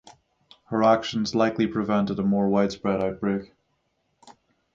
Her actions likely prevented a more widespread outbreak.